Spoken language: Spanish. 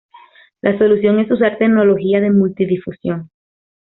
La solución es usar tecnología de multidifusión.